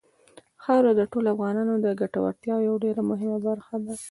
خاوره د ټولو افغانانو د ګټورتیا یوه ډېره مهمه برخه ده.